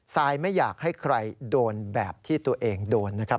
ซายไม่อยากให้ใครโดนแบบที่ตัวเองโดนนะครับ